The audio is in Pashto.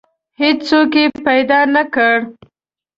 هیڅوک یې پیدا نه کړ.